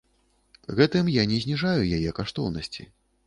Гэтым я не зніжаю яе каштоўнасці.